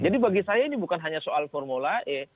jadi bagi saya ini bukan hanya soal formula e